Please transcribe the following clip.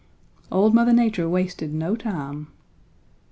"Old Mother Nature wasted no time.